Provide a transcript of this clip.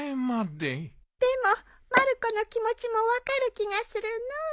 でもまる子の気持ちも分かる気がするのう。